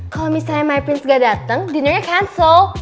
kalau misalnya my prince gak dateng dinernya cancel